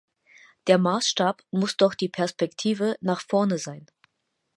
Der Maßstab muss doch die Perspektive nach vorne sein.